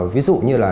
ví dụ như là